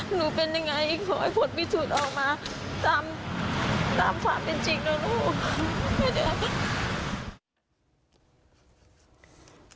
หนูเป็นยังไงขอให้ผลพิสูจน์ออกมาตามความเป็นจริงนะลูก